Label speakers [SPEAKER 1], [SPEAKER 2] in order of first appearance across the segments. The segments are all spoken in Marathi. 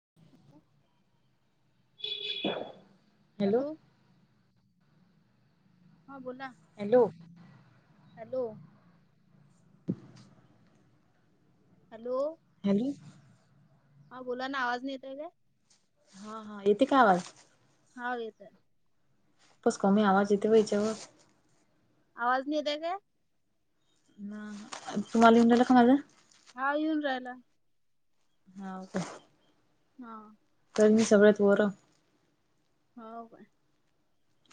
[SPEAKER 1] [inaudible]
[SPEAKER 2] [inaudible]
[SPEAKER 1] हॅलो. हा बोला.
[SPEAKER 2] हॅलो.
[SPEAKER 1] हॅलो. हॅलो.
[SPEAKER 2] हॅलो.
[SPEAKER 1] हा बोलाना, आवाज नाई एतय काय?
[SPEAKER 2] हा हा, येते काय आवाज.
[SPEAKER 1] हा येतय.
[SPEAKER 2] खुपच कमी आवाज येथे बई याच्यावर.
[SPEAKER 1] आवाज नाई एतय काय?
[SPEAKER 2] हं तुम्हाला ईऊन रायला का माझा?
[SPEAKER 1] हा, येऊन राहिला.
[SPEAKER 2] हाव का?
[SPEAKER 1] हां.
[SPEAKER 2] तर मी सगळ्यात वरं
[SPEAKER 1] हाव काय?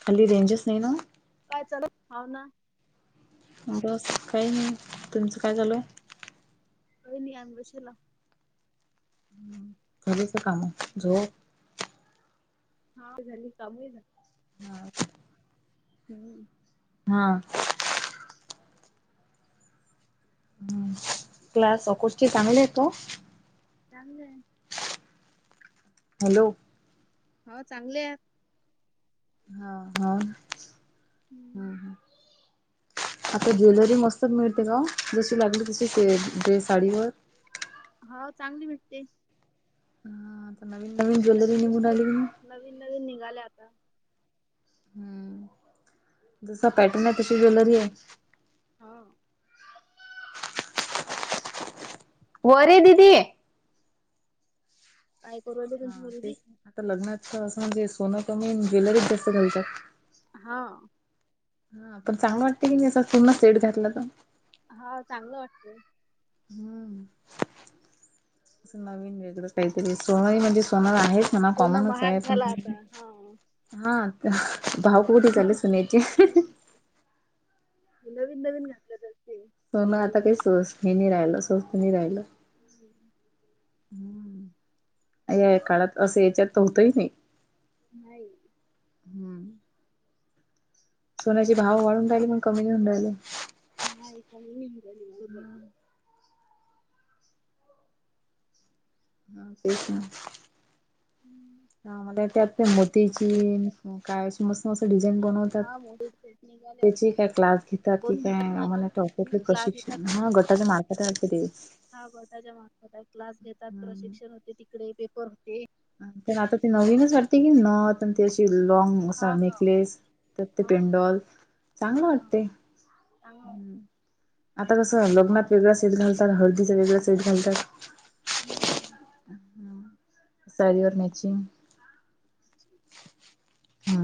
[SPEAKER 2] खाली रेंजच नाहीे ना.
[SPEAKER 1] काय चालू, हाव ना.
[SPEAKER 2] बस, काही नाही. तुमचं, काय चालूय?
[SPEAKER 1] काय नाही, आम्ही बसेलाव.
[SPEAKER 2] कधीचं कामय? जो
[SPEAKER 1] हा झाली, कामही झाली.
[SPEAKER 2] हा, का.
[SPEAKER 1] हं.
[SPEAKER 2] हां. हं. क्लास [unintelligible] चांगल्यायत का ओ?
[SPEAKER 1] चांगलेय.
[SPEAKER 2] हॅलो.
[SPEAKER 1] हो, चांगल्या.
[SPEAKER 2] हा, हा,
[SPEAKER 1] हम्म
[SPEAKER 2] हम्म, हम्. आता ज्वेलरी मस्त मिळते का ओ? जशी लागली तशी, ते ड्रेस साडीवर.
[SPEAKER 1] हो, चांगली भेटते.
[SPEAKER 2] हा आता नवीन- नवीन
[SPEAKER 1] जशी
[SPEAKER 2] ज्वेलरी
[SPEAKER 1] लागेल तशी
[SPEAKER 2] निघून राहिली
[SPEAKER 1] भेटते
[SPEAKER 2] म्हणे.
[SPEAKER 1] नवीन- नवीन निघाल्या आता.
[SPEAKER 2] हम्म. जसा पॅटर्नय, तशी ज्वेलरीय.
[SPEAKER 1] हाव.
[SPEAKER 2] वर यी दीदी.
[SPEAKER 1] काय करू राहिली?
[SPEAKER 2] हा,
[SPEAKER 1] तुमची मुलगी
[SPEAKER 2] तेच ना. आता लग्नात असं म्हणजे, सोनं कमी न ज्वेलरीज जास्त घालतात.
[SPEAKER 1] हा.
[SPEAKER 2] हा पण चांगलं वाटते की नाही असं, पुर्ण सेट घ्यातला तर.
[SPEAKER 1] हा, चांगलं वाटतेय.
[SPEAKER 2] हम्म. नवीन वेगळं काहीतरी. सोनंही म्हणजे सोनंही आहे. जरा
[SPEAKER 1] सोनं महाग
[SPEAKER 2] कॉमनचाय, पण
[SPEAKER 1] झाला आता हा
[SPEAKER 2] [unintelligible] हा, आता भाव कुठे चालंले सुन्याचे.
[SPEAKER 1] हम्म. नवीन- नवीन घातलं जातय.
[SPEAKER 2] सोनं आता काही सो हे नाही राहिलं. सोस्त नाही राहिलं.
[SPEAKER 1] हम्.
[SPEAKER 2] हं. या काळात असं, याच्यात तर होत ही नाही.
[SPEAKER 1] नाही.
[SPEAKER 2] हम्म. सोन्याची भाव वाढून राहिली. पण कमी नाही होऊन राहिले.
[SPEAKER 1] नाही, कमी नाही होऊन राहिले. वाढत जायले.
[SPEAKER 2] हा, तेच ना. हा मग, त्या त्यात ते
[SPEAKER 1] झालं
[SPEAKER 2] मोती चीन काय अस मस्त-मस्त डिझाईन बनवतात.
[SPEAKER 1] हा मोठी सेट निघाले आता
[SPEAKER 2] त्याची काय क्लास घेतात की
[SPEAKER 1] दोन भेटत
[SPEAKER 2] काय?
[SPEAKER 1] ना आता
[SPEAKER 2] आम्हाला नाही ठाऊक.
[SPEAKER 1] क्लास
[SPEAKER 2] प्रशिक्षण
[SPEAKER 1] घेतात ना
[SPEAKER 2] हा गटाच्या मार्फत असते तें
[SPEAKER 1] हा गटाच्या मार्फत हाय क्लास घेतात प्रशिक्षण होते तिकडे पेपर होते.
[SPEAKER 2] तर आता ती नवीनच वाटते की नाही नथ आणि ती अशी लॉंग असा
[SPEAKER 1] हा हा
[SPEAKER 2] नेकलेस त्यात ते
[SPEAKER 1] हा
[SPEAKER 2] पेंडॉल चांगला
[SPEAKER 1] हा
[SPEAKER 2] वाटते.
[SPEAKER 1] चांगलं
[SPEAKER 2] आता कसं लग्नात वेगळा सेट घालतात हळदीत वेगळा सेट घालतात.
[SPEAKER 1] हम्म
[SPEAKER 2] साडी वर मॅचिंग
[SPEAKER 1] [inaudible]
[SPEAKER 2] हा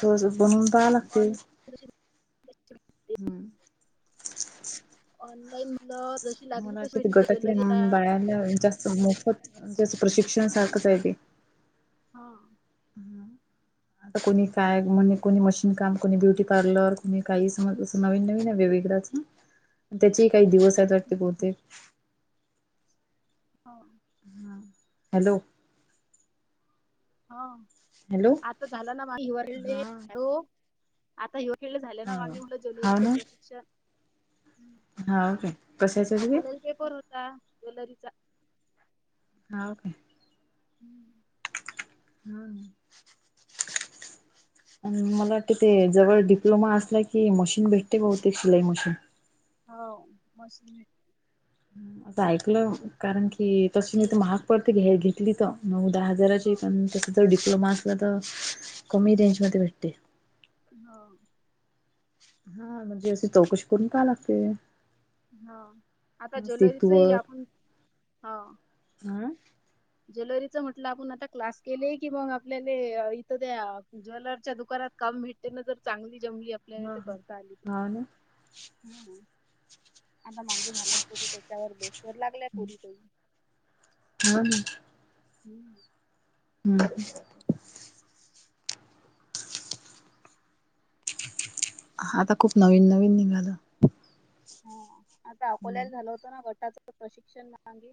[SPEAKER 2] तो असं बनून पाहायला लागते.
[SPEAKER 1] ऑन
[SPEAKER 2] हम्म.
[SPEAKER 1] ऑनलाईन नथ
[SPEAKER 2] मला वाटते ते गटातले म्हणून बाया ला जास्त मोफत म्हणजे असं प्रशिक्षण सारखच हाय ते.
[SPEAKER 1] हा.
[SPEAKER 2] आता कोणी काय म्हणजे कोणी मशीन काम कोणी ब्युटी पार्लर कोणी काही समज अस नवीन नवीन आहे वेगवेगडं त्याचे ही काही दिवस आहेत वाटते बहुतेक.
[SPEAKER 1] हा.
[SPEAKER 2] हा हॅलो.
[SPEAKER 1] हा
[SPEAKER 2] हॅलो.
[SPEAKER 1] आता झाला ना
[SPEAKER 2] हा.
[SPEAKER 1] [unintelligible] आता ह्यो गेला झाले ना
[SPEAKER 2] हा
[SPEAKER 1] मांगे म्हणलं ज्वेलरीचं प्रशिक्षण.
[SPEAKER 2] हा ओके कशाचं [unintelligible]
[SPEAKER 1] अकोल्याला पेपर होता ज्वेलरीचा.
[SPEAKER 2] हाव काय?
[SPEAKER 1] हम्म.
[SPEAKER 2] हा [inaudible] मला वाटते ते जवळ डिप्लोमा असला की मशीन भेटते बहुतेक शिलाई मशीन.
[SPEAKER 1] हाव मशीन भे
[SPEAKER 2] असं ऐकलं कारण की तशी
[SPEAKER 1] हे
[SPEAKER 2] नाही तर महाग पडती घ्या घेतली तर नऊ दहा हजाराची पण तस जर डिप्लोमा असला तर कमी रेंज मध्ये भेटते.
[SPEAKER 1] हा
[SPEAKER 2] हा म्हणजे अशी चौकशी करुन पहायला लागते.
[SPEAKER 1] हा आता ज्वेलरीचंही
[SPEAKER 2] सेतूवर
[SPEAKER 1] आपण हा
[SPEAKER 2] हम्म
[SPEAKER 1] ज्वेलरीच म्हटलं आपण आता क्लास केले की मग आपल्याला इथं त्या ज्वेलरच्या दुकानात काम भेटते ना तर चांगली जमली आपल्याला
[SPEAKER 2] हा
[SPEAKER 1] ते करता आली
[SPEAKER 2] हा ना [inaudible]
[SPEAKER 1] आता मागे लहान लहान पुरी त्याच्यावर बेसर लागल्या पोरी काही.
[SPEAKER 2] हो ना
[SPEAKER 1] हम्म
[SPEAKER 2] हम्म आता खूप नवीन नवीन निघालं.
[SPEAKER 1] हा आता अकोल्याला झालं होतं ना गटाचं प्रशिक्षण ना मागे.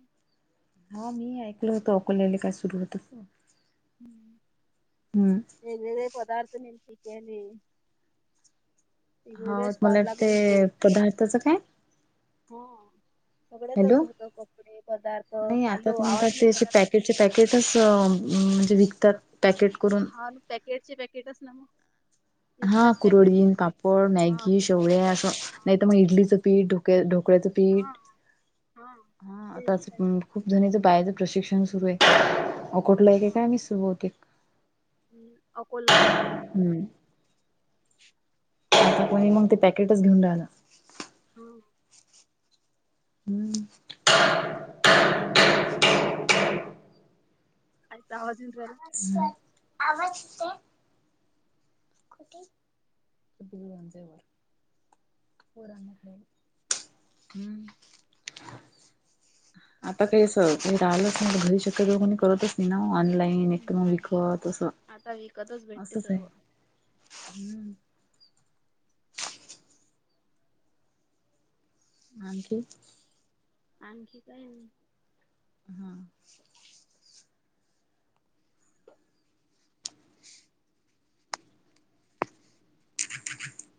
[SPEAKER 2] हा मी ही ऐकलं होतं अकोल्याला काय सुरू होतं.
[SPEAKER 1] हम्म.
[SPEAKER 2] हम्म.
[SPEAKER 1] वेगवेगळे पदार्थ निलपिकले.
[SPEAKER 2] हा
[SPEAKER 1] वेगवेगळे
[SPEAKER 2] मला
[SPEAKER 1] स्टॉल लागले होते.
[SPEAKER 2] ते पदार्थाच काय
[SPEAKER 1] हो सगळ्याच
[SPEAKER 2] हॅलो
[SPEAKER 1] होत कपडे पदार्थ हॅलो आवाज नाही येऊ राहिला.
[SPEAKER 2] त्याचे पॅकेटच अ म्हणजे विकतात पॅकेट करून.
[SPEAKER 1] हा पॅकेटचे पॅकेटच ना मग.
[SPEAKER 2] हा
[SPEAKER 1] विकतात पॅकेटचे
[SPEAKER 2] कुरडीन,
[SPEAKER 1] पॅकेट.
[SPEAKER 2] पापड,
[SPEAKER 1] हा
[SPEAKER 2] मॅगी, शेवळे असं
[SPEAKER 1] बाप
[SPEAKER 2] नाही तर मग इडलीच पीठ ढोकळ्या ढोकळ्याचं
[SPEAKER 1] हा हा
[SPEAKER 2] पीठ
[SPEAKER 1] हा.
[SPEAKER 2] हा
[SPEAKER 1] ते
[SPEAKER 2] आताच.
[SPEAKER 1] विकतात.
[SPEAKER 2] खूप जणीचं पायाचं प्रशिक्षण सुरू आहे. अकोठलं आहे
[SPEAKER 1] हा.
[SPEAKER 2] काय माहीत सुरू बहुतेक.
[SPEAKER 1] हम्म अकोला.
[SPEAKER 2] हम्म [unintelligible] आता कोणी मग ते पॅकेटच घेऊन राहिलं.
[SPEAKER 1] हम्म.
[SPEAKER 2] हम्
[SPEAKER 1] कायचा आवाज येऊन रायला
[SPEAKER 2] ह आवाज येतो हम् कुठे अन जाय वर वर पोरांना कूठे यायले हम्म् आता ते सोड काही असकाही राहिल नाही ना घरी शक्यतो कोणी करतच नाही ना ऑनलाईन एकत म
[SPEAKER 1] नाही
[SPEAKER 2] विकत
[SPEAKER 1] आता विकतच भेटते
[SPEAKER 2] असच ये
[SPEAKER 1] सर्व
[SPEAKER 2] हम्म् आणखी
[SPEAKER 1] आणखी काही नाही
[SPEAKER 2] हा [inaudible]